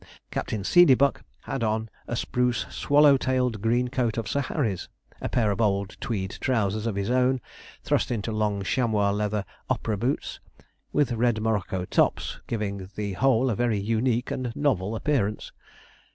Captain Seedeybuck had on a spruce swallow tailed green coat of Sir Harry's, a pair of old tweed trousers of his own, thrust into long chamois leather opera boots, with red morocco tops, giving the whole a very unique and novel appearance.